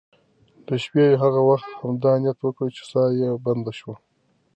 د شپې یې هغه وخت همدا نیت وکړ چې ساه یې بنده شوه.